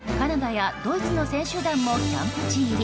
一昨日、カナダやドイツの選手団もキャンプ地入り。